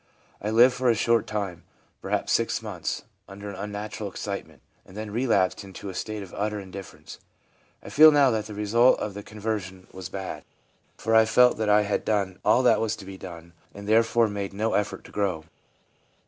I lived for a short time, perhaps six months, under an unnatural excitement, and then relapsed into a state of utter indifference. I feel now that the result of the " con version " was bad, for I felt that I had done all that was THE ABNORMAL ASPECT OF CONVERSION 167 to be done, and therefore made no effort to grow.